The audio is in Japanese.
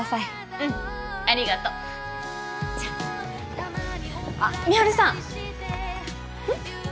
うんありがとうじゃああっ美晴さんうん？